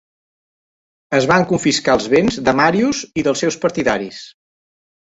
Es van confiscar els béns de Marius i dels seus partidaris.